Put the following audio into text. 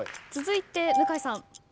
続いて向井さん。